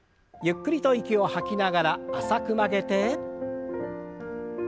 ゆっくりと息を吐きながら浅く曲げて。